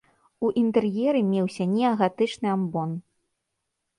У інтэр'еры меўся неагатычны амбон.